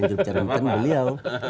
juru bicara bukan beliau